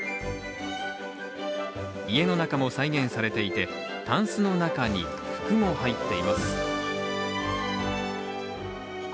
家の中も再現されていてタンスの中に服も入っています。